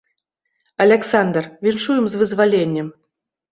Аляксандр, віншуем з вызваленнем.